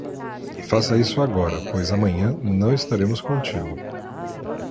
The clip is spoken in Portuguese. Faça isso agora, pois amanhã não estaremos contigo.